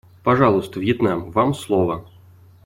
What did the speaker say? Пожалуйста, Вьетнам, вам слово.